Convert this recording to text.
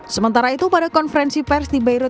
sementara itu pada konferensi pers di beirut